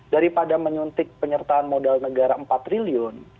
daripada menyuntik penyertaan modal negara empat triliun